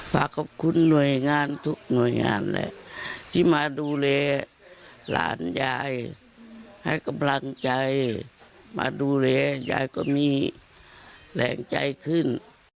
ฝากขอบคุณหน่วยงานทุกหน่วยงานแหละที่มาดูแลหลานยายให้กำลังใจมาดูแลยายก็มีแรงใจขึ้น